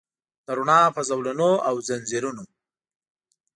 د روڼا په زولنو او ځنځیرونو